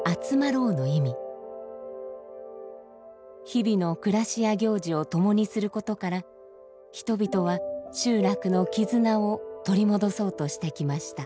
日々の暮らしや行事を共にすることから人々は集落の絆を取り戻そうとしてきました。